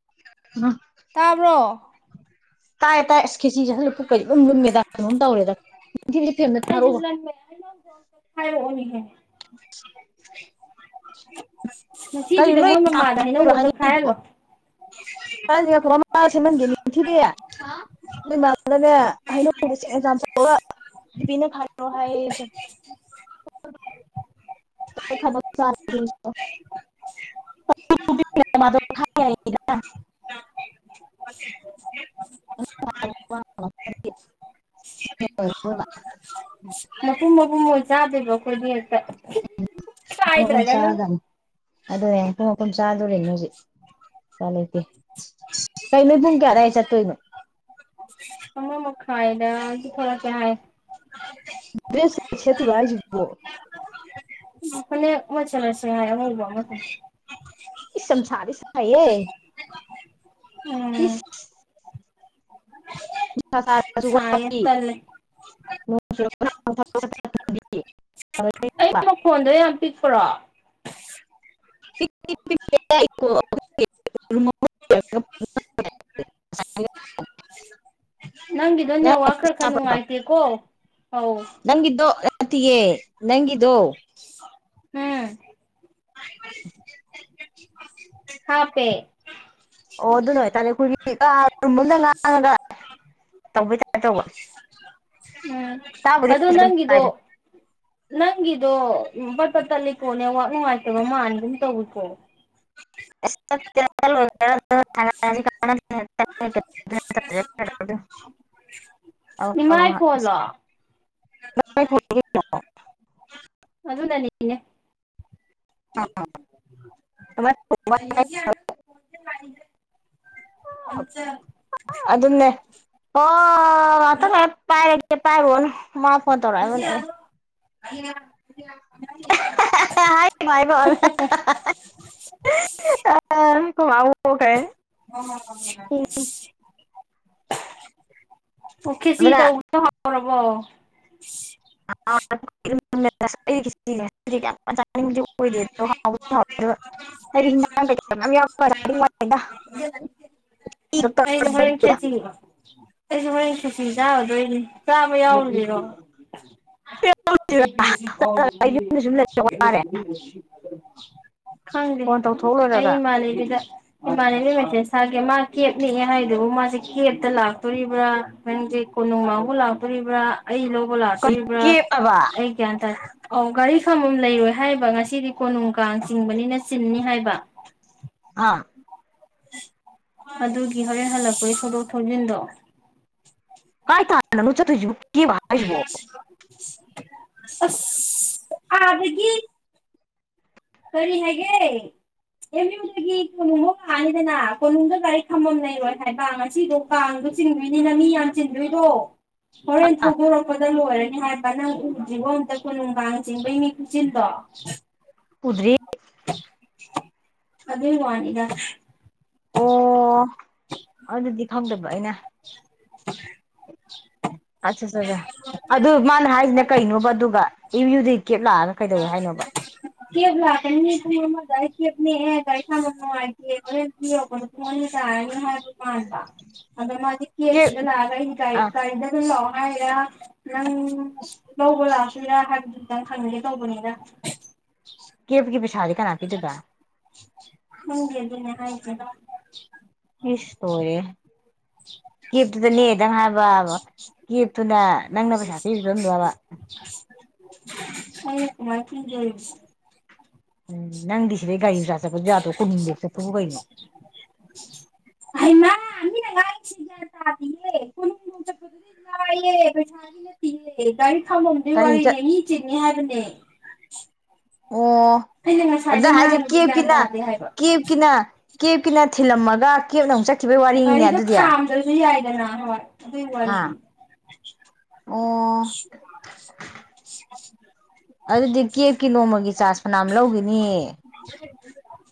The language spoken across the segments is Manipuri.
ꯎ ꯇꯥꯕ꯭ꯔꯣ ꯇꯥꯏ ꯇꯥꯏ ꯑꯁ ꯈꯦꯁꯤ ꯆꯥꯁꯤꯜ ꯂꯨꯕꯩ ꯄꯨꯛꯀ ꯏꯂꯨꯝ ꯂꯨꯝꯃꯤꯗ ꯀꯩꯅꯣꯝ ꯇꯧꯔꯦꯗꯥ ꯁꯤ ꯐꯑꯦꯟ ꯑꯃ ꯊꯔꯛꯑꯣ ꯍꯥꯏ ꯑꯣꯅꯤꯍꯦ ꯀꯩꯅꯣ ꯅꯨꯡꯊꯤꯕꯤꯗ ꯅꯣꯏ ꯃꯣꯏ ꯀꯥꯡ ꯃꯃꯥꯗ ꯆꯠꯄꯩꯔꯣ ꯍꯥꯏꯅꯧꯗꯣ ꯑꯝꯇ ꯈꯥꯏꯍꯜꯂꯣ ꯇ ꯂꯤꯤꯡꯥ ꯈꯔꯥ ꯃꯁꯤꯟ ꯃꯒꯤꯦ ꯅꯤꯡ ꯊꯕꯤꯌꯥ ꯏꯃꯗꯅꯦ ꯑꯩꯅꯁ ꯑꯦꯖꯥꯝꯄꯤꯅ ꯈꯣ ꯍꯥꯏꯌꯦ ꯁꯨꯝ ꯈꯕꯛ ꯆ ꯈ ꯌꯥ [inaudible] [inaudible] ꯍ ꯃꯄꯨꯝ ꯃꯄꯨꯝ ꯑꯣꯏ ꯆꯥꯗꯣꯏꯕꯣ ꯑꯩꯈꯣꯏꯒꯤ ꯍꯦꯛꯇ ꯎꯝꯨꯝ ꯀꯥꯏꯗ꯭ꯔꯒꯅ ꯆꯥꯗꯅꯤ ꯑꯗꯨꯅꯦꯌꯦꯡꯈꯨꯡ ꯃꯨꯝ ꯆꯥꯗꯣꯔꯤꯅꯦ ꯍꯧꯖꯤꯛ ꯎꯄꯥꯏꯂꯩꯇꯦ ꯀꯩꯅꯣ ꯄꯨꯡ ꯀꯌꯥꯗꯗꯥꯋꯥꯏ ꯆꯠꯇꯣꯏꯅꯣ ꯃ ꯈꯥꯏ ꯂꯗꯤ ꯊꯔ ꯆꯦ ꯗꯦꯁ ꯁꯦꯠꯇꯔꯤꯕꯣ ꯍꯥꯏꯁꯤꯕꯣ ꯐꯅ‌ꯦꯛ ꯑꯃ ꯁ‌ꯦꯠꯂꯁꯤ ꯍꯥꯏ ꯑꯉꯧꯕ ꯑꯃ ꯏꯁ ꯌꯥꯝꯁꯥꯗꯤ ꯁ ꯁꯥꯏꯌꯦ ꯏꯁ ꯎꯝ ꯁꯥꯏꯌꯦ ꯇꯜꯂꯦ ꯅꫭꯡ ꯑꯩ ꯃꯈꯣꯟꯗꯣ ꯌꯥꯝ ꯄꯤꯛꯄꯔꯣ ꯣ [inaudible] [inaudible] ꯅꯪꯒꯤꯗꯣ ꯅꯦꯋꯥ ꯈꯔ ꯈꯔ ꯅꯨꯡꯉꯥꯏꯇꯦꯀꯣ ꯑꯧ ꯅꯪꯗꯣ ꯔꯇꯌꯦꯦ ꯅꯪꯗꯣ [inaudible] ꯎꯝ ꯍꯥ ꯄꯦ ꯑꯣ ꯑꯗꯨ ꯅꯣꯏ ꯇꯥꯂꯦꯈꯨꯔꯤ ꯔꯝꯗ ꯉꯥꯡꯉꯒ ꯇꯧꯕꯩ ꯇꯥꯔꯦ ꯇꯧꯕ ꯎꯝ ꯇꯥꯕꯨꯗꯤ ꯑꯗꯣ ꯐꯖꯅ ꯅꯪꯒꯤꯗꯣ ꯇꯥꯏꯗ ꯅꯪꯒꯤꯗꯣ ꯄꯠꯄ ꯇꯠꯂꯤꯀꯣ ꯅ‌ꯦꯠꯋꯥꯛ ꯅꯨꯡꯉꯥꯏꯇꯕ ꯃꯥꯟꯒꯨꯝ ꯇꯧꯏꯀꫭ ꯆꯠꯀꯦꯔ ꯆꯠꯂꯣꯏꯒꯦꯔ ꯑꯦ ꯑꯦ ꯑꯩ ꯏ ꯑꯦ ꯏꯃꯥꯏ ꯐꯣꯟ ꯂꯣ ꯥꯏ ꯐꯣ [inaudible] ꯑꯗꯨꯅ ꯅꯤꯅꯦ ꯑ [unintelligible] ꯄꯟꯆ ꯑꯗꯨ ꯑꯗꯨꯟꯅꯦ꯫ ꯑꯣ ꯉꯥꯇꯪ ꯂꯩꯔꯥ ꯄꯥꯏꯔꯒꯦ ꯄꯥꯏꯔꯣꯅꯨ ꯃꯥ ꯐꯣꯟ ꯇꯧꯔꯥꯛꯑꯝꯃꯅꯤ꯫ [unintelligible] [unintelligible] ꯑꯈꯣꯏ ꯃꯥꯕꯨ ꯑꯣ ꯈꯦꯁꯤ ꯑꯗꯨꯅ ꯇꯧ [unintelligible] [unintelligible] [unintelligible] [unintelligible] ꯑꯩꯗꯤ ꯍꯣꯔꯦꯟ ꯈꯦꯆꯤ ꯑꯩꯁꯨ ꯍꯥꯎꯔꯦꯅ ꯈꯦꯆꯤ ꯆꯥꯔꯗꯣꯏꯅꯤ ꯆꯥꯕ ꯌꯥꯎꯔꯨꯁꯤꯔꯣ ꯌꯨꯝꯗ ꯁꯨꯝ ꯂꯩꯔ ꯋꯥꯔꯦ [inaudible] ꯈꯪꯗ‌ꯦ ꯐꯣꯟ ꯇꯧꯊꯣꯛ ꯑꯩ ꯂꯣꯏꯔꯒ ꯃꯥꯂꯩꯒꯤꯗ ꯏꯃꯥꯟꯅꯦ ꯃꯦꯁꯦꯁ ꯇꯥꯒꯦ ꯁꯥꯒꯦ ꯃꯥ ꯀꯦꯞꯅꯤ ꯍꯥꯏꯗꯨꯕꯨ ꯃꯥꯁꯦ ꯀꯦꯞꯇ ꯂꯥꯛꯇꯣꯔꯤꯕ꯭ꯔꯥ ꯈꯟꯒꯦ ꯀꯣꯅꯨꯡ ꯃꯥꯥꯎꯕ ꯂꯥꯛꯇꯣꯔꯤꯕ꯭ꯔꯥ ꯑꯩ ꯂꯧꯕ ꯀꯔꯤ ꯂꯥꯛꯇꯣꯔꯤꯕ꯭ꯔꯥ ꯀꯦꯞꯑꯕ ꯑꯩ ꯒ꯭ꯌꯥꯟ ꯇꯥꯗꯦ꯫ ꯑꯣ ꯒꯥꯔꯤ ꯈꯥꯝꯕꯝ ꯂꯩꯔꯣꯏ ꯍꯥꯏꯕ ꯉꯁꯤꯗꯤ ꯀꯣꯅꯨꯡ ꯀꯥꯡ ꯆꯤꯡꯕꯅꯤꯅ ꯆꯤꯟꯅꯤ ꯍꯥꯏꯕ ꯑ ꯑꯗꯨꯒꯤ ꯍꯣꯔꯦꯟ ꯍꯜꯂꯛꯄꯒꯤ ꯊꯧꯗꯣꯛ ꯊꯧꯖꯤꯟꯗꯣ ꯀꯥꯏ ꯇꯥꯟꯅꯅꫭ ꯆꯠꯇꫭꯏꯁꯤꯕꫭ ꯑꯁ ꯑꯗꯒꯤ ꯀꯔꯤ ꯍꯥꯏꯒꯦ꯫ ꯑꯦꯝ ꯌꯨꯗꯒꯤ ꯀꯣꯅꯨꯡꯃ ꯀꯥꯡꯉꯤꯗꯅ ꯀꯣꯅꯨꯡꯗ ꯒꯥꯔꯤꯛ ꯊꯝꯃꯝ ꯂꯩꯔꯣꯏ ꯍꯥꯏꯕ ꯉꯁꯤꯗꯣ ꯀꯥꯡꯗꯨ ꯆꯤꯡꯗꯣꯏꯅꯤꯅ ꯃꯤ ꯌꯥꯝ ꯆꯤꯟꯗꯣꯏꯗꯣ ꯍꯣꯔꯦꯟ ꯊꯧꯗꯣꯔꯛꯄꯗ ꯂꯣꯏꯔꯅꯤ ꯍꯥꯏꯕ ꯀꯅꯪ ꯎꯗ꯭ꯔꯤꯔꯤꯕꯣ ꯑꯝꯇ ꯀꯣ ꯅꯨꯡꯗꯥꯡ ꯆꯤꯡꯕꯩ ꯃꯤ ꯈꯨꯆꯜꯗꯣ ꯎꯗ꯭ꯔꯤ ꯑꯗꯨꯗ ꯋꯥꯅꯤꯗ ꯑꯣ ꯑꯗꯨꯗꯤ ꯈꯪꯗꯕ ꯑꯩꯅ ꯑꯆꯥ ꯆ ꯑꯗꯨ ꯃꯥꯅ ꯍꯥꯏꯁꯤꯅ ꯀꯩꯅꯣꯕ ꯑꯗꯨꯒ ꯃꯌꯨꯗꯒꯤ ꯀꯦꯞ ꯂꯥꯛꯑꯒ ꯀꯩꯗꯧꯋꯤ ꯍꯥꯏꯅꯣꯕ ꯀ‌ꯦꯞ ꯂꯥꯛꯀꯅꯤ ꯄꯨꯡ ꯑꯃ ꯑꯗꯨꯋꯥꯏꯗ ꯀꯦꯞ ꯅꯥꯛ ꯒꯥꯔꯤ ꯈꯟꯐꯝ ꯅꯤꯉꯥꯏꯇꯦ ꯍꯣꯔꯦꯟ ꯄꯨꯡ ꯑꯅꯤ ꯇꯥꯔꯥꯅꯤ ꯍꯥꯏꯕ ꯀꯟꯗ ꯃꯥꯗꯤ ꯀ ꯀꯦꯞ ꯑꯦꯗ ꯀ ꯀꯗ ꯂꯩ ꯑꯥ ꯂꯛꯑꫭ ꯍꯥꯏꯔ ꯅꯪ ꯂꯧꯕ ꯂꯥꯛꯑꯁꯤꯔ ꯍꯥꯏꯕꯗꯨ ꯈꯤꯇꯪ ꯈꯪꯉꯒꯦ ꯇꯧꯕꯅꯤꯗ [inaudible] ꯀꯄ ꯄ‌ꯩꯁꯥꯗ ꯀꯅꯥ ꯄꯤꯗꯣꯏꯕ ꯅꯪ ꯒꯤ ꯑꯗꯨꯅꯦ ꯍꯥꯏꯁꯦ꯫ ꯏꯁ ꯂꯣꯏꯔꯤꯍꯦ ꯀꯦꯞꯇꯨꯗꯅꯦ ꯍꯥꯏꯕ ꯀꯦꯞꯇꯨꯅ ꯅꯪꯅ ꯄꯩꯁꯥ ꯀꯤꯕꯔꯝꯗꯕ [inaudible] [unintelligible] ꯎꯝ ꯅꯪꯗꯤꯁꯤ ꯂꯩ ꯀꯥꯏ ꯍꯤꯡ꯭ꯔꯥꯥꯁꯥꯄ ꯍꯗꯣ ꯀꯃꯕꯦꯛꯁ ꯊꯣꯛ ꯍꯒꯥꯏꯅꯣ ꯍꯩꯃꯥ ꯃꯤꯅ ꯍꯥꯏꯁꯤ ꯒꯌꯥꯟꯇꯥꯗ‌ꯦ꯫ ꯂꯌꯦ ꯄꯩꯁꯥꯅꯤ ꯅꯠꯇꯤꯌꯦ ꯒꯥꯔꯤ ꯊꯥꯝꯃꯝꯗꯣꯏ ꯀꯔꯤ ꯆꯠ ꯋꯥꯔꯤꯅꯦ ꯃꯤ ꯆꯤꯟꯅꯤ ꯍꯥꯏꯕꯅꯦ꯫ ꯑꯣ ꯑꯩꯅ ꯑꯗꯨꯗ ꯉꯁꯥꯏꯗꯩ ꯍꯥꯏꯁꯦ ꯉꯥꯡꯉꯤꯁꯦ ꯒ꯭ꯌꯥꯟ ꯀꯦꯞꯀꯤꯅ ꯇꯥꯗꯦ ꯍꯥꯏꯕ ꯀꯦꯞꯀꯤꯅ ꯀꯦꯞꯀꯤꯅ ꯊꯤꯜꯂꯝꯃꯒ ꯀꯦꯞꯅ ꯑꯃꯨꯛ ꯆꯠꯈꯤꯕꯒꯤ ꯋꯥꯔꯤꯅꯤꯅꯦ ꯑꯗꯨꯗꯤ ꯑꯗꯨꯁꯨ ꯌꯥꯏꯗꯅ ꯍꯣꯏ ꯑꯗꯨꯒꯤ ꯋꯥꯔꯤ ꯑꯥ ꯑꯣ [inaudible] ꯑꯗꯨꯗꯤ ꯀꯦꯞꯀꯤ ꯅꯣꯡꯃꯒꯤ ꯆꯥꯔꯖ ꯃꯅꯥꯝ ꯂꯧꯈꯤꯅꯤ [inaudible]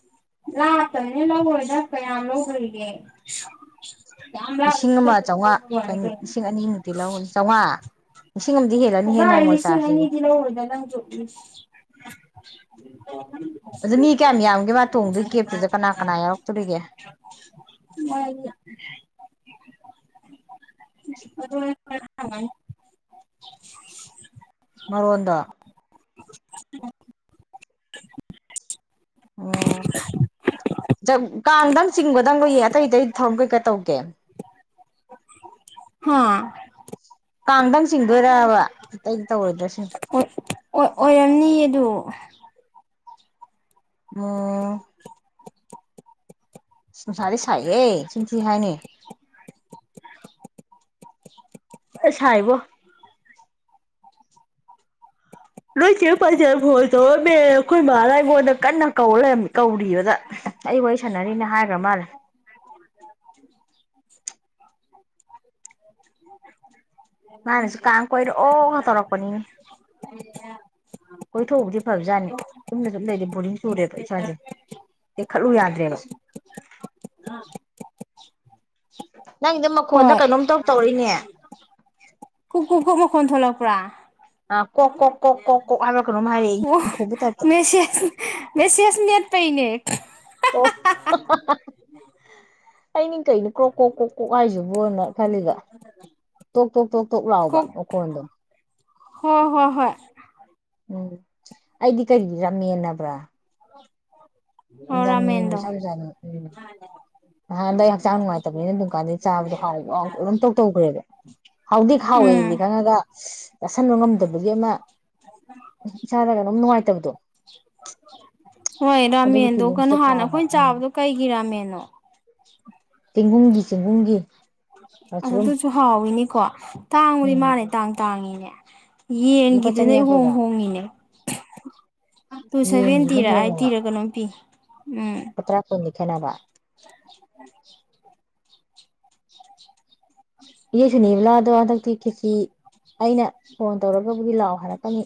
ꯂꯥꯛꯇꯅꯤ ꯂꯧꯔꯣꯏꯗ ꯀ ꯌꯥꯝ ꯂꯣꯗꯣꯏꯒꯦ ꯌꯥꯝ ꯂꯤꯁꯤꯡ ꯑꯃ ꯆꯥꯝꯃꯉꯥ ꯋꯥ ꯆꯅꯤ ꯂꯤꯁꯤꯡ ꯑꯅꯤꯃꯨꯛꯇꯤ ꯂꯧꯔꯅꯤ ꯆꯧꯉꯥ ꯂꯤꯁꯤꯡ ꯑꯃꯗꯤ ꯍꯦꯜꯂꯅꯤꯍꯦ ꯅꯣꯡꯃ ꯆꯥꯁꯁꯤꯗꯤ ꯂꯧꯗ ꯅꯪꯁꯨ [unintelligible] ꯑꯗꯨ ꯃꯤ ꯀꯌꯥꯝ ꯌꯥꯝꯒꯦ ꯃꯥ ꯇꯣꯡꯗꯨꯒꯤ ꯀꯦꯞꯇꯨꯗ ꯀꯅꯥ ꯀꯅꯥ ꯌꯥꯎꯔꯛꯇꯣꯔꯤꯒꯦ ꯃꯥ ꯑꯗꯨ ꯍꯪꯉꯅꯤ ꯃꯔꯣꯟꯗꯣ [inaudible] ꯑꯣ ꯀꯥꯡꯗꯪ ꯆꯤꯡꯕꯗꯪ ꯀꯏꯌꯦ ꯑꯇꯩ ꯑꯇꯩ ꯊꯧꯔꯝ ꯀꯩꯀꯩ ꯇꯧꯒꯦ ꯍꯥ ꯀꯥꯡꯗꯪ ꯆꯤꯡꯗꯣꯏꯔꯕ ꯑꯇꯩ ꯇꯧꯔꯣꯏꯗ꯭ꯔꯁꯤꯅꯤ ꯍꫭꯏ ꯑꯣꯏꯔꯝꯅꯤ ꯑꯗꯨ ꯑꯣ [inaudible] ꯉꯁꯥꯏꯗꯤ ꯁꯥꯏꯍꯦ ꯅꯆꯤꯟ ꯊꯤ ꯍꯥꯏꯅꯤ ꯑꯁ ꯁꯥꯏꯕꯣ ꯅꯣꯏ ꯆꯦ ꯐꯖꯈꯣ ꯇꯧꯔꯝꯃꯦ ꯑꯩꯈꯣꯏ ꯃꯍꯥꯔꯕꯣꯟꯗ ꯀꯟꯅ ꯀꯧ ꯂꯩꯝ ꯀꯧꯔꯤꯕꯗ ꯑꯩ ꯋꯥꯔꯤ ꯁꯥꯟꯅꯔꯤꯅ ꯍꯥꯏꯒ꯭ꯔ ꯃꯥꯜꯂꯦ ꯃꯥꯅꯤꯁꯨ ꯀꯥꯝ ꯀꯔ ꯑꯣ ꯍꯥ ꯇꯔꯛꯀꯣꯅꯤ ꯀꯣꯏ ꯊꯣꯛꯎꯕꯨꯗꯤ ꯐꯕꯖꯥꯠꯅꯤ ꯌꯨꯝꯅ ꯁꯨꯝ ꯂꯩꯗꯤ ꯕꯣꯔꯤꯡ ꯆꯨꯔꯦꯕ ꯏꯁꯥꯁꯦ ꯇꯦꯛꯈꯠꯂꯨ ꯌꯥꯗ꯭ꯔꯦꯕ ꯅꯪꯒꯤꯗꯣ ꯃꯈꯣꯟꯗ ꯍꯣꯏ ꯀꯩꯅꯣꯝ ꯏꯇꯧ ꯇꯧꯔꯛꯏꯅꯦ ꯀꯨꯛ ꯀꯨꯛ ꯀꯨꯛ ꯃꯈꯣꯟ ꯊꯣꯛꯂꯛꯄ꯭ꯔꯥ ꯑꯥ ꯀꯣꯛ ꯀꯣꯛ ꯀꯣꯛ ꯀꯣꯛ ꯀꯣꯛ ꯍꯥꯏꯕ꯭ꯔꯥ ꯀꯩꯅꯣꯝ ꯍꯥꯏ ꯑꯣ ꯃꯦꯁꯦꯁ ꯃꯦꯁꯦꯁ ꯃꯦꯠꯄꯩꯅꯦ ꯑꯣ ꯑꯩꯅꯤ ꯀꯩꯅꯣ ꯀ꯭ꯔꯣꯛ ꯀꯣꯛ ꯀꯣꯛ ꯀꯣꯛ ꯍꯥꯏꯁꯤꯕꯅ ꯈꯜꯂꯤꯕ ꯇꯣꯛ ꯇꯣꯛ ꯇꯣꯛ ꯇꯣꯛ ꯂꯥꯎꯕ ꯀꯣꯛ ꯃꯈꯣꯟꯗꯣ ꯍꯣꯏ ꯍꯣꯏ ꯍꯣꯏ ꯎꯝ ꯑꯩꯗꯤ ꯀꯔꯤꯒꯤ ꯔꯥꯝꯃꯦꯟ ꯍꯥꯏꯕ꯭ꯔꯥ ꯑꯣ ꯉꯝꯃꯤ ꯔꯥꯃꯦꯟꯗꯣ ꯆꯖꯅ ꯎꯝ [unintelligible] ꯅꯍꯥꯟꯗꯩ ꯑꯩ ꯍꯛꯆꯥꯡ ꯅꯨꯡꯉꯥꯏꯇꯕꯅꯤꯅ ꯑꯗꯨꯝꯀꯥꯟꯗꯩ ꯆꯥꯕꯗꯣ ꯍꯥꯎꯕ ꯍꯥꯎꯇꯕ ꯑꯗꯨꯝ ꯏꯇꯧ ꯇꯧꯈ꯭ꯔꯦꯕ ꯍꯥꯎꯗꯤꯛ ꯎꯝ ꯍꯥꯎꯋꯦꯅꯗꯤ ꯈꯪꯉꯒ ꯆꯥꯁꯟꯕ ꯉꯝꯗꯕꯒꯤ ꯑꯃ ꯏꯆꯥꯗ ꯀꯩꯅꯣꯝ ꯅꯨꯡꯉꯥꯏꯇꯕꯗꯣ ꯍꯣꯏ ꯑꯗꯨꯒꯤ ꯔꯥꯃꯦꯟꯗꯣ ꯀꯩꯅꯣ ꯐꯤꯂꯤꯡꯁꯇꯣ ꯍꯥꯟꯅ ꯑꯩꯈꯣꯏꯅ ꯆꯥꯕꯗꯣ ꯀꯩꯒꯤ ꯔꯥꯃꯦꯟꯅꯣ ꯇꯤꯒꯨꯝꯒꯤ ꯆꯦꯡꯒꯨꯝꯒꯤ ꯑꯗꯨ ꯃꯁꯔꯨꯝ ꯑꯗꯨꯁꯨ ꯍꯥꯎꯋꯤꯅꯤꯀꯣ ꯇꯥꯡꯕꯨꯗꯤ ꯎꯝ ꯃꯥꯅꯦ ꯇꯥꯡ ꯇꯥꯡꯉꯤꯅꯦ ꯂꯨꯄꯥ ꯌꯦꯟꯒꯤꯗꯨꯅ ꯆꯅꯤ ꯏꯍꯣꯡ ꯌꯥꯡꯈꯩꯔꯥ ꯍꯣꯡꯉꯤꯅꯦ ꯇꯨ ꯁꯚꯦꯟ ꯌꯦꯡꯒꯤꯕꯅ ꯇꯤꯔ ꯑꯩꯠ ꯍꯣꯡꯉꯦꯕ ꯇꯤꯔ ꯀꯩꯅꯣꯝ ꯄꯤ ꯎꯝ ꯂꯨꯄꯥ ꯇꯔꯥ ꯀꯨꯟꯗꯤ ꯈꯦꯠꯅꯕ ꯎꯝ ꯏꯅꯦ ꯁꯨꯅꯤꯕꯂꯥꯗꯣ ꯍꯟꯇꯛꯇꯤ ꯈꯦꯆꯤ ꯑꯩꯅ ꯐꯣꯟ ꯇꯧꯔꯒꯕꯨꯗꯤ ꯂꯥꯛꯑꯣ ꯍꯥꯏꯔꯛꯀꯅꯤ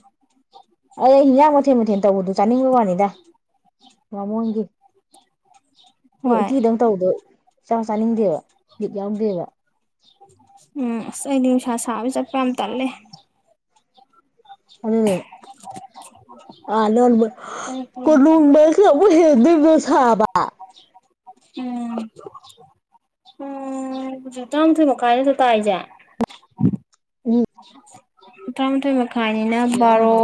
ꯑꯩ ꯍꯤꯟꯖꯥꯡ ꯃꯊꯦꯜ ꯃꯊꯦꯜ ꯇꯧꯕꯗꯨꯁꯨ ꯆꯥꯅꯤꯡꯕ ꯋꯥꯅꯤꯗ ꯕꯥꯃꯣꯟꯒꯤ ꯑꯣ ꯍꯣꯏ ꯎꯠꯇꯤꯗꯡ ꯇꯧꯗꯣ ꯆꯥꯛ ꯆꯥꯅꯤꯡꯗꯦꯕ ꯕꯤꯠ ꯌꯥꯎꯗꯦꯕ ꯎꯝ ꯑꯁ ꯑꯩꯗꯤ ꯅꯨꯡꯁꯥ ꯁꯥꯕ ꯆꯠꯄ ꯌꯥꯝ ꯇꯜꯂꯦ ꯑꯗꯨꯅꯦ [inaudible] ꯑꯥ ꯅꯃꯜ ꯀꯣꯅꯨꯡꯕꯁ ꯑꯃ ꯍꯦꯟꯗꯣꯏꯅꯣ ꯁꯥꯕ [inaudible] ꯎꯝ ꯎꯝ ꯍꯧꯖꯤꯛ ꯇꯔꯥꯃꯊꯣꯏ ꯃꯈꯥꯏ ꯅꯠꯇ꯭ꯔ ꯇꯥꯔꯤꯁꯦ ꯎꯝ ꯇꯔꯥ ꯃꯥꯥꯊꯣꯏ ꯃꯈꯥꯏꯅꯤꯅ ꯌꯦꯡꯉꯨ ꯕꯥꯔꯣ ꯉꯥꯏꯈꯣ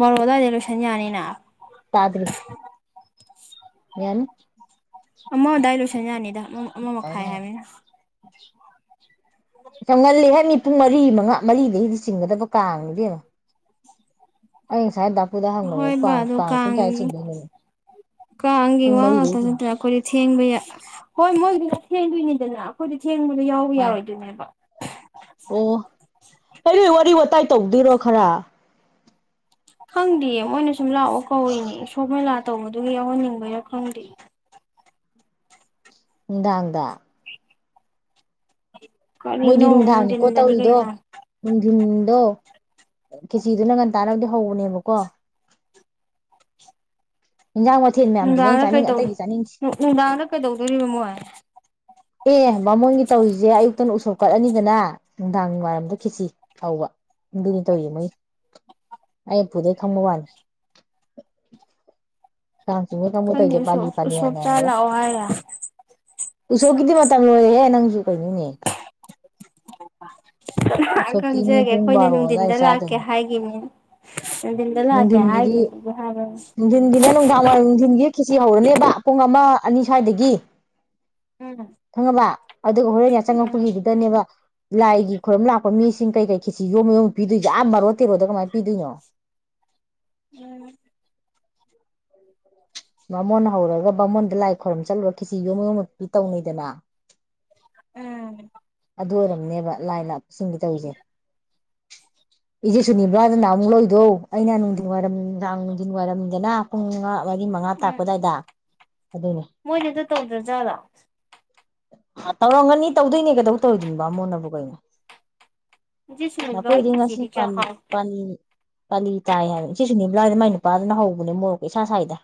ꯕꯥꯔꯣ ꯑꯗꯨꯋꯥꯏꯗ ꯂꯣꯏꯁꯟ ꯌꯥꯅꯤꯅ ꯇꯥ꯭ꯗꯔꯤ ꯌꯥꯅꯤ ꯑꯃ ꯑꯗꯥꯏ ꯂꯣꯏꯁꯟ ꯌꯥꯅꯤꯗ ꯑꯃ ꯑꯃ ꯃꯈꯥꯏ ꯍꯥꯏꯕꯅꯤꯅ ꯌꯝ ꯉꯜꯂꯤ ꯍꯥꯏ ꯃꯤ ꯄꯨꯡ ꯃꯔꯤ ꯃꯉꯥ ꯃꯔꯤꯗꯒꯤꯗꯤ ꯆꯤꯡꯒꯗꯕ ꯀꯥꯡꯉꯗꯩꯅꯣ ꯑꯩ ꯉꯁꯥꯏ ꯗꯥꯀꯨꯗ ꯍꯪꯕꯅꯦꯕ ꯍꯣꯏ ꯕꯥ ꯀꯥꯡ ꯑꯗꯨ ꯄꯨꯡ ꯀꯌꯥ ꯆꯤꯡꯗꯣꯏꯅꯣ ꯀꯪꯒꯤ ꯋꯥ ꯉꯛꯇꯅ ꯅꯇꯥꯅꯥ ꯑꯈꯣꯏꯗꯤ ꯊꯦꯡꯕ ꯌꯥ ꯍꯣꯏ ꯃꯣꯏꯗꯨꯗ ꯊꯦꯡꯗꯣꯏꯅꯤꯗꯅ ꯑꯩꯈꯣꯏꯗ ꯊꯦꯡꯕꯗꯣ ꯌꯥꯎꯕ ꯑꯥ ꯌꯥꯔꯣꯏꯗꯣꯏꯅꯦꯕ ꯑꯣ ꯍ ꯅꯣꯏ ꯋꯥꯔꯤ ꯋꯥꯋꯇꯥꯏ ꯇꯧꯗꯣꯏꯔꯣ ꯈꯔ ꯈꯪꯗꯦ ꯃꯣꯏꯅ ꯁꯨꯝ ꯂꯥꯛꯑꯣ ꯀꯧꯔꯤꯅꯦ ꯏꯁꯣꯞ ꯃꯦꯂꯥ ꯇꯧꯕꯗꯨꯒꯤ ꯌꯥꯎꯍꯟꯅꯤꯡꯕꯩꯔꯥ ꯈꯪꯗꯦ ꯅꯨꯡꯗꯥꯡꯗ ꯃꯣꯏꯗꯤ ꯀꯔꯤꯅꯣ ꯅꯨꯡꯗꯥꯡꯅꯤꯀꯣ ꯅꯨꯡꯊꯤꯟꯗꯅꯤ ꯇꯧꯔꯤꯗꯣ ꯀꯩꯅꯣ ꯅꯨꯡꯊꯤꯟꯗꯣ ꯀꯦꯖꯤꯗ ꯅꯪ ꯉꯟ ꯇꯥꯅꯕꯗꯤ ꯍꯧꯕꯅꯦꯕꯀꯣ ꯏꯟꯖꯥꯡ ꯃꯊꯦꯜ ꯃꯌꯥꯝꯗꯨꯅ ꯑꯩꯅ ꯅꯨꯡꯗꯥꯡꯗ ꯀꯩ ꯆꯥꯅꯤꯡ ꯑꯇꯩꯗꯤ ꯆꯥꯅꯤꯡꯗꯦ ꯅꯨꯡꯗꯥꯡꯗ ꯀꯩꯗꯧꯗꯣꯔꯤꯕꯃꯣ ꯍꯥꯏ ꯑꯦ ꯕꯃꯣꯟꯒꯤ ꯇꯧꯔꯤꯖꯦ ꯑꯌꯨꯛꯇꯅ ꯎꯁꯣꯞ ꯀꯠꯂꯅꯤꯗꯅ ꯅꯨꯡꯗꯥꯡ ꯋꯥꯏꯔꯝꯗ ꯈꯤꯠꯆꯤ ꯍꯧꯕ ꯑꯗꯨꯗꯤ ꯇꯧꯋ ꯃꯣꯏ ꯑꯩ ꯎꯄꯨꯗꯩ ꯈꯪꯕ ꯋꯥꯅꯤ ꯀꯥꯡ ꯆꯤꯡꯕ ꯃꯤ ꯇꯧꯕꯩ ꯈꯪꯗꯦ ꯇꯧꯔꯤꯖꯦ ꯄꯂꯤ ꯎꯁꯣꯞ ꯄꯂꯤ ꯎꯁꯣꯞ ꯆꯥ ꯌꯥꯅ ꯂꯥꯛꯑꯣ ꯍꯥꯏꯔ ꯎꯁꯣꯞꯀꯤꯗꯤ ꯃꯇꯝ ꯂꯣꯏꯔꯦꯍꯦ ꯅꯪꯁꯨ ꯀꯩꯅꯣꯅꯦ ꯎꯁꯣꯞꯀꯤꯅꯤ ꯈꯪꯖꯒꯦ ꯄꯨꯡ ꯑꯩꯈꯣꯏꯅ ꯕꯥꯔꯣ ꯑꯗꯨꯋꯥꯏ ꯅꯨꯡꯊꯤꯟꯗ ꯂꯥꯛꯀꯦ ꯍꯥꯏꯒꯤꯈꯤꯕꯅꯦ ꯅꯨꯡꯗꯤꯟꯒꯤꯗꯤ ꯍꯥꯏꯕꯅꯤ ꯅꯨꯡꯗꯤꯟꯒꯤꯅ ꯅꯨꯡꯗꯥꯡꯋꯥꯏꯔꯝ ꯅꯨꯡꯗꯤꯟꯒꯤ ꯈꯦꯁꯤ ꯍꯧꯔꯅꯦꯕ ꯄꯨꯡ ꯑꯃ ꯑꯅꯤ ꯁ꯭ꯋꯥꯏꯗꯒꯤ ꯎꯝ ꯈꯪꯉꯕ ꯑꯗꯨ ꯍꯣꯔꯦꯟ ꯎꯝ ꯌꯥꯆꯪꯉꯛꯄꯒꯤꯗꯨꯅꯦꯕ ꯂꯥꯏꯒꯤ ꯈꯣꯏꯔꯨꯝ ꯂꯥꯛꯄ ꯃꯤꯁꯤꯡ ꯀꯩ ꯀꯩ ꯈꯤꯁꯤ ꯌꯣꯝꯕ ꯌꯣꯝ ꯄꯤꯗꯣꯏꯣ ꯌꯥꯝ ꯃꯔꯣ ꯇꯦꯔꯣꯗ ꯀꯃꯥꯏꯅ ꯄꯤꯗꯣꯏꯅꯣ ꯎꯝ [unintelligible] ꯃꯃꯣꯟ ꯍꯧꯔꯒ ꯃꯃꯣꯟꯗ ꯂꯥꯏ ꯈꯣꯏꯔꯝ ꯆꯠꯂꯨꯔ ꯈꯤꯁꯤ ꯌꯣꯝ ꯌꯣꯝꯃ ꯇꯧꯅꯩꯗꯅ ꯎꯝ ꯑꯗꯨ ꯑꯣꯏꯔꯝꯅꯦꯕ ꯂꯥꯏ ꯂ ꯁꯤꯡꯕꯤ ꯇꯧꯁꯦ ꯏꯆꯦ ꯁꯨꯅꯤꯕ꯭ꯔꯥ ꯑꯗꯨꯅ ꯑꯃꯨꯛ ꯂꯣꯏꯗꯧ ꯑꯩꯅ ꯅꯨꯡꯊꯤꯟ ꯋꯥꯏꯔꯝꯅꯨꯡꯗꯥ ꯅꯨꯡꯊꯤꯟ ꯋꯥꯏꯔꯝꯃꯤꯗꯅ ꯄꯨꯡ ꯃꯉꯥ ꯃꯔꯤ ꯃꯉꯥ ꯇꯥꯛꯄ ꯎꯝ ꯑꯗꯥꯏꯗ ꯑꯗꯨꯅꯦ ꯃꯣꯏꯗꯤ ꯑꯗꯨ ꯇꯧꯗ꯭ꯔꯖꯥꯠꯂꯣ ꯇꯧꯔꯝꯒꯅꯤ ꯇꯧꯗꯣꯏꯅꯦ ꯀꯩꯗꯧ ꯇꯧꯔꯣꯏꯗꯣꯏꯅꯦꯕ ꯕꯃꯣꯟꯅꯕꯨ ꯀꯩꯅꯣ ꯉꯁꯤ ꯁꯤꯡꯖꯨꯒ ꯅꯈꯣꯏꯗꯤ ꯉꯁꯤ ꯈꯦꯆꯤꯗꯤ ꯀꯌꯥ ꯄꯥꯅꯤ ꯍꯥꯎ ꯄꯥꯅꯤꯅꯤ ꯄꯥꯂꯤ ꯇꯥꯏ ꯍꯥꯏꯕꯅꯦ ꯁꯤꯁꯨ ꯅꯤꯝ ꯂꯥꯏꯏꯗ ꯃꯥꯏ ꯅꯨꯄꯥꯗꯨꯅ ꯍꯧꯕꯅꯦ ꯃꯣꯔꯣꯛꯀ ꯏꯁꯥ ꯁ꯭ꯥꯏꯗ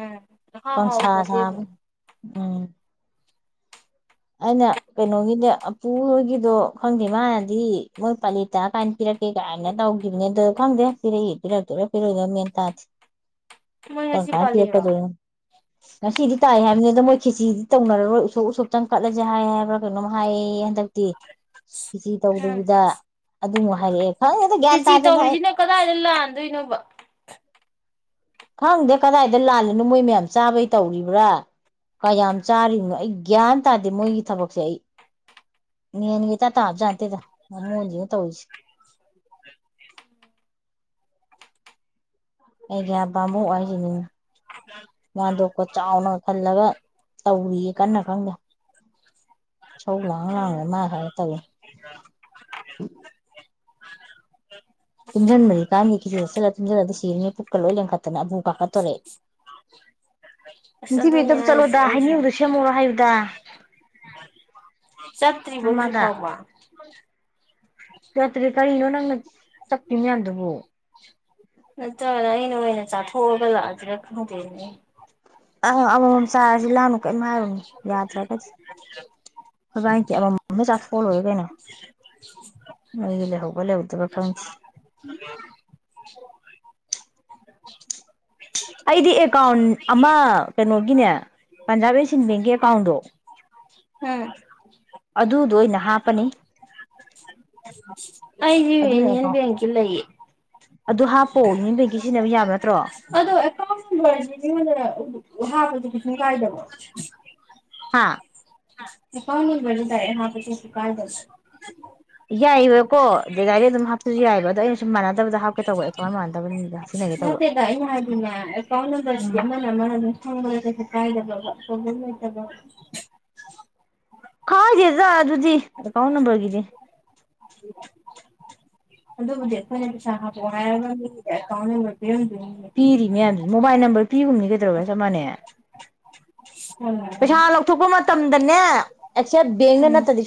ꯎꯝ ꯏꯍꯥꯎ ꯀꯪꯁꯥ ꯍꯥꯎꯖꯗꯦꯕ ꯁꯥꯕꯅꯦ ꯎꯝ ꯑꯩꯅ ꯀꯩꯅꯣꯒꯤꯗꯤ ꯑꯄꯨ ꯍꯣꯏꯒꯤꯗꯣ ꯈꯪꯗꯦ ꯃꯥꯅꯗꯤ ꯃꯣꯏ ꯄꯥꯂꯤ ꯀꯥꯏꯅ ꯄꯤꯔꯛꯀꯦ ꯀꯥꯏꯅ ꯇꯧꯈꯤꯕꯅꯦ ꯑꯣ ꯈꯪꯗꯦ ꯄꯤꯔꯛꯏꯦ ꯄꯤꯔꯛꯇꯣꯏꯔꯥ ꯄꯤꯔꯣꯏꯗꯣꯏ ꯃꯦꯟ ꯇꯥꯁꯦ ꯃꯣꯏ ꯀꯝ ꯉꯁꯤ ꯀꯥꯟ ꯄꯥꯜꯂꯤꯔꯣ ꯄꯤꯔꯛꯀꯗꯣꯏꯅꯣ ꯉꯁꯤꯗꯤ ꯇꯥꯏ ꯍꯥꯏꯕꯅꯤ ꯑꯗ ꯃꯣꯏ ꯈꯦꯆꯤꯗꯤ ꯇꯧꯅꯔꯣꯏ ꯎꯁꯣꯛ ꯎꯁꯣꯛ ꯈꯤꯇꯪ ꯀꯠꯂꯁꯦ ꯍꯥꯏ ꯍꯥꯏꯕ꯭ꯔꯥ ꯀꯩꯅꯣꯝ ꯍꯥꯏꯌꯦꯌꯦ ꯍꯟꯗꯛꯇꯤ ꯈꯦꯆ꯭ꯔꯤ ꯎꯝ ꯇꯧꯗꯕꯤꯗ ꯑꯗꯨꯃꯨꯛ ꯍꯥꯏꯔꯛꯑꯦ ꯈꯪꯗꯦꯗ ꯒ꯭ꯌꯥꯟ ꯈꯦꯆꯤ ꯇꯥꯗꯦꯗ ꯑꯩ ꯇꯧꯔꯤꯖꯤꯅ ꯀꯗꯥꯏꯗ ꯂꯥꯟꯗꯣꯏꯅꯣꯕ ꯈꯪꯗꯦ ꯀꯗꯥꯏꯗ ꯂꯥꯜꯂꯤꯅꯣ ꯃꯣꯏ ꯃꯌꯥꯝ ꯆꯥꯕꯩ ꯇꯧꯔꯤꯕ꯭ꯔꯥ ꯀꯌꯥꯝ ꯆꯥꯔꯤꯕꯅꯣ ꯑꯩ ꯒ꯭ꯌꯥꯟ ꯇꯥꯗꯦ ꯃꯣꯏꯒꯤ ꯊꯕꯛꯁꯦ ꯑꯩ ꯃꯦꯟꯒ ꯏꯇꯥ ꯇꯥꯕ ꯖꯥꯥꯠ ꯅꯠꯇꯦꯗ ꯕꯃꯣꯟꯁꯤꯅ ꯇꯧꯔꯤꯁꯦ ꯑꯩꯗꯤ ꯑꯕ꯭ꯔꯥꯃꯨꯛ ꯍꯥꯏꯁꯤꯅꯤꯅꯦ ꯃꯟꯇꯣꯞꯀ ꯆꯥꯎꯅ ꯈꯜꯂꯒ ꯇꯧꯔꯤꯌꯦ ꯀꯟꯅ ꯈꯪꯗꯦ ꯁꯧ ꯂꯥꯡ ꯎꯝ ꯂꯥꯡꯂꯦ ꯃꯥ ꯍꯥꯏꯦ ꯇꯧꯋꯦ ꯇꯨꯝꯁꯤꯟꯕꯁꯝ ꯀꯥꯟꯗꯦ ꯈꯧꯁꯤ ꯆꯦꯁꯤꯜꯂ ꯇꯨꯝꯁꯤꯜꯂꯒ ꯁꯤꯔꯅꯤ ꯄꯨꯛꯀ ꯂꯣꯏ ꯂꯦꯟꯈꯠꯇꯅ ꯑꯕꯨ ꯀꯥꯈꯠꯇꯣꯔꯦ ꯑꯁ ꯅꯤꯡꯊꯤꯕꯤ ꯑꯗꯨꯅꯦ ꯗꯞ ꯍꯥꯏꯁꯦ ꯆꯠꯂꯣꯗ ꯑꯩꯁꯨ ꯍꯩꯅꯤꯡꯒꯗꯣ ꯁꯦꯝꯃꯨꯔꯣ ꯍꯥꯏꯌꯨꯗꯥ ꯆꯠꯇ꯭ꯔꯤꯕꯣ ꯍꯧꯖꯤꯛ ꯅꯃꯥꯗ ꯐꯥꯎꯕ ꯆꯠꯇ꯭ꯔꯤ ꯀꯔꯤꯅꯣ ꯅꯪꯅ ꯆꯞꯄꯤ ꯃꯌꯥꯝꯗꯨꯕꯨ ꯅꯠꯇ꯭ꯔꯒꯅ ꯑꯩꯅ ꯑꯣꯏꯅ ꯆꯥꯊꯣꯛꯑꯒ ꯂꯥꯛꯑꯖꯤꯔꯥ ꯈꯪꯗꯦꯅꯦ ꯑꯪ ꯑꯃꯃꯝ ꯁꯥꯔꯁꯤ ꯂꯥꯟꯅꯨ ꯀꯔꯤꯝ ꯍꯥꯏꯔꯨꯅꯣ ꯌꯥꯗ꯭ꯔꯒꯗꯤ ꯈꯣꯏꯕꯥꯅꯤꯒꯤ ꯑꯃꯃꯝ ꯆꯥꯊꯣꯛꯑ ꯂꯣꯏꯔꯦ ꯀꯩꯅꯣ ꯅꯣꯏꯒꯤ ꯂꯩꯍꯧꯕ ꯂꯩꯍꯧꯗꯕ ꯈꯪꯗꯦ [unintelligible] ꯑꯩꯗꯤ ꯑꯦꯀꯥ꯭ꯎꯟ ꯑꯃ ꯀꯩꯅꯣꯒꯤꯅꯦ ꯄꯟꯖꯥꯕꯤ ꯁꯤꯟ ꯕꯦꯡꯀꯤ ꯑꯦꯀꯥ꯭ꯎꯟꯗꯣ ꯎꯝ ꯑꯗꯨꯗꯣ ꯑꯣꯏꯅ ꯍꯥꯞꯄꯅꯤ ꯑꯩꯖꯨ ꯑꯗꯨꯅ ꯌꯨꯅꯤꯌꯟ ꯑꯦꯀꯥꯎꯟ ꯕꯦꯛꯀꯤ ꯂꯩꯌꯦ ꯑꯗꯨ ꯍꯥꯞꯄꯣꯑꯣ ꯌꯨꯅꯤꯌꯟ ꯕꯦꯛꯒꯤ ꯁꯤꯖꯤꯟꯅꯕ ꯌꯥꯕ ꯅꯠꯇ꯭ꯔꯣ ꯑꯗꯣ ꯑꯦꯀꯥ꯭ꯎꯟ ꯅꯝꯕꯔꯁꯤ ꯃꯤꯉꯣꯟꯗ ꯍꯞꯕꯗꯨ ꯀꯩꯁꯨꯝ ꯀꯥꯏꯗꯕ꯭ꯔꯣ ꯍꯥꯥ [unintelligible] ꯌꯥꯏꯋꯦꯕꯀꯣ ꯗꯥꯗꯥꯏ ꯑꯗꯨꯝ ꯍꯥꯞꯄꯁꯨ ꯌꯥꯏꯕ ꯑꯗꯣ ꯑꯩꯅ ꯁꯨꯝ ꯃꯥꯟꯅꯗꯕꯗ ꯍꯥꯞꯀꯦ ꯇꯧꯕ ꯑꯦꯀꯥꯎ ꯃꯥꯟꯅꯗꯕꯅꯤꯗ ꯅꯠꯇꯦꯗ ꯑꯩꯅ ꯍꯥꯏꯗꯤꯅꯦ ꯑꯀꯥꯎꯟ ꯅꯝꯕꯔꯁꯤꯗꯤ ꯎꯝ ꯑꯃꯅꯤ [unintelligible] ꯄꯣꯕ꯭ꯂꯦꯝ ꯂꯩꯇꯕ꯭ꯔꯕ ꯀꯥꯏꯗꯦꯗ ꯑꯗꯨꯗꯤ ꯑꯦꯀꯥꯎꯟ ꯅꯝꯕꯔꯒꯤꯗꯤ ꯑꯗꯨꯕꯨꯗꯤ ꯑꯧꯈꯣꯏꯅ ꯄꯩꯁꯥ ꯍꯦꯄꯛꯑꯣ ꯍꯥꯏꯔꯒ [unintelligible] ꯑꯦꯀꯥꯎꯟ ꯅꯝꯕꯔ ꯄꯤꯔꯝꯗꯣꯏꯅꯤ ꯄꯤꯔꯤ ꯃꯌꯥꯝꯗꯨꯗꯤ ꯃꯣꯕꯥꯏꯜ ꯅꯝꯕꯔ ꯄꯤꯒꯨꯝꯅꯤ ꯀꯩꯗ꯭ꯔꯧꯒ ꯆꯞ ꯃꯥꯟꯅꯩ ꯄꯩꯁꯥ ꯎꯝ ꯂꯧꯊꯣꯛꯄ ꯃꯇꯝꯗꯅꯦ ꯑꯦꯛꯁꯦꯞ ꯕꯦꯡꯅ ꯅꯠꯇꯗꯤ